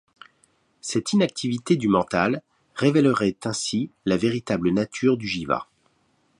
Cette inactivité du mental révèlerait ainsi la véritable nature du jiva.